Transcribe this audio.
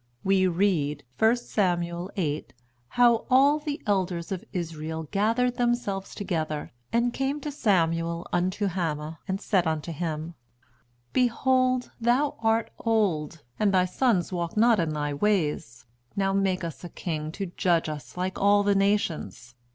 We read, 1 Samuel viii., how "All the elders of Israel gathered themselves together, and came to Samuel unto Hamah, and said unto him, Behold thou art old, and thy sons walk not in thy ways: now make us a king to judge us like all the nations.